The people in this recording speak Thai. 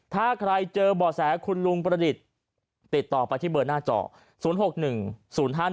ถ้าใครเจอบ่อแสคุณลุงประดิษฐ์ติดต่อไปที่เบอร์หน้าจอ๐๖๑๐๕๑